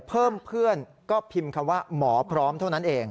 เพื่อนก็พิมพ์คำว่าหมอพร้อมเท่านั้นเอง